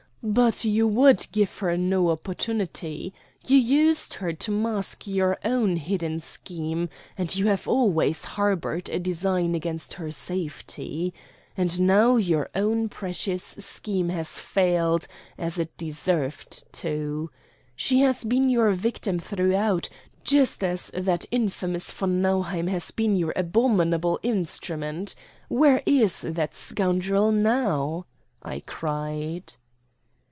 But you would give her no opportunity. You used her to mask your own hidden scheme, and you have always harbored a design against her safety. And now your own precious scheme has failed, as it deserved to. She has been your victim throughout, just as that infamous von Nauheim has been your abominable instrument. Where is that scoundrel now?" I cried.